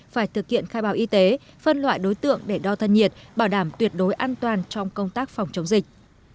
phải thực hiện khai báo y tế phân loại đối tượng để đo thân nhiệt bảo đảm tuyệt đối an toàn trong công tác phòng chống dịch